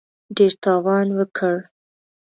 ډېر تاوان وکړ.